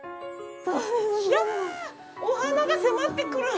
ひゃお花が迫ってくる！